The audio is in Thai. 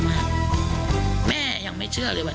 มีความรู้สึกว่า